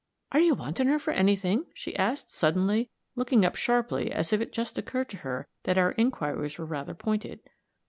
"Are you wanting her for any thing?" she asked, suddenly, looking up sharply as if it just occurred to her that our inquiries were rather pointed.